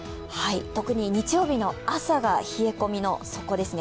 特に日曜日の朝が冷え込みの底ですね。